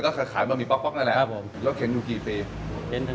ก็ค่ามีป๊อกเลยแหละ